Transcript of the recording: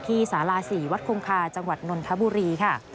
ที่สารา๔วัดคุมคาจังหวัดนทบุรีค่ะ